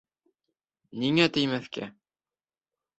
Ниңә теймәҫкә?